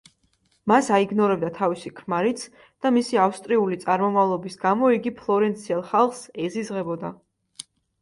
მას აიგნორებდა თავისი ქმარიც და მისი ავსტრიული წარმომავლობის გამო იგი ფლორენციელ ხალხს ეზიზღებოდა.